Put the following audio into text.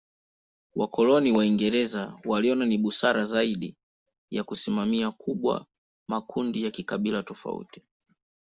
Wakoloni Waingereza waliona ni busara zaidi ya kusimamia kubwa makundi ya kikabila tofauti.